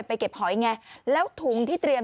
ไปเก็บหอยไงแล้วถุงที่เตรียม